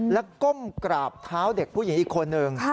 แล้วก้มกราบเท้าเด็กผู้หญิงอีกคนนึง